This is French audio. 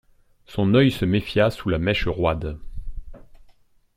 Son œil se méfia sous la mèche roide.